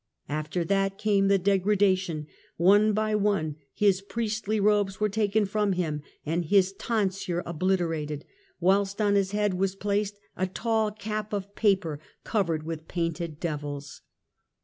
After that came the degradation — one by one his priestly robes were taken from him and his tonsure obliterated, whilst on his head was placed a tall cap of paper, covered with painted devils.